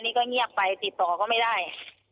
นี่ก็เงียบไปติดต่อก็ไม่ได้